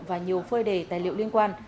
và nhiều phơi đề tài liệu liên quan